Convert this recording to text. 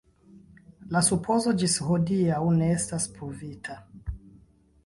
La supozo ĝis hodiaŭ ne estas pruvita.